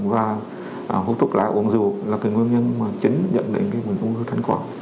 và hút thuốc lá uống rượu là cái nguyên nhân mà chính dẫn đến cái ung thư thanh quản